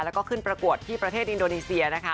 แล้วก็ขึ้นประกวดที่ประเทศอินโดนีเซียนะคะ